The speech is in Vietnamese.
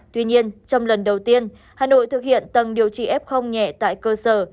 tuy nhiên trong lần đầu tiên hà nội thực hiện tầng điều trị f nhẹ tại cơ sở